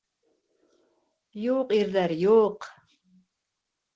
Юҡ ирҙәр, юҡ!..